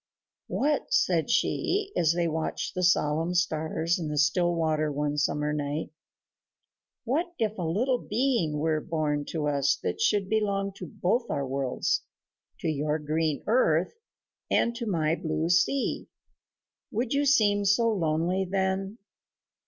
"What," said she, as they watched the solemn stars in the still water one summer night, "what if a little being were born to us that should belong to both our worlds, to your green earth and to my blue sea? Would you seem so lonely then?